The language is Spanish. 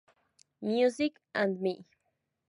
Music and Me